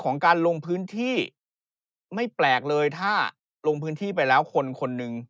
ของการลงพื้นที่ไม่แปลกเลยถ้าลงพื้นที่ไปแล้วคนคนหนึ่ง